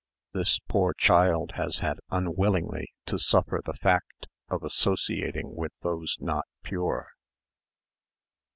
"This poor child has had unwillingly to suffer the fact of associating with those not pure."